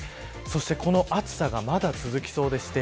そしてこの暑さがまだ続きそうです。